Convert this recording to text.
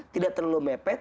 tidak terlalu mepet